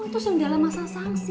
kamu itu sendala masalah sangsi